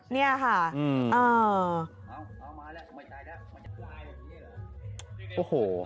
เนี่ยค่ะ